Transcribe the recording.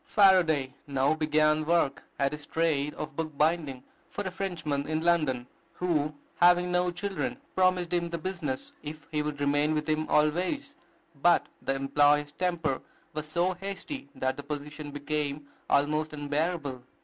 Faraday now began work at his trade of book binding for a Frenchman in London, who, having no children, promised him the business, if he would remain with him always; but the employer's temper was so hasty that the position became almost unbearable.